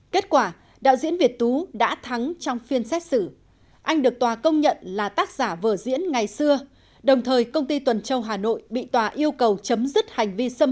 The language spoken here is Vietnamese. kết quả đạo diễn việt tú đã thắng trong phiên xét xử anh được tòa công nhận là tác giả vở diễn ngày xưa đồng thời công ty tuần châu hà nội bị tòa yêu cầu chấm